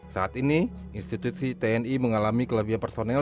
saat ini institusi tni mengalami kelebihan personel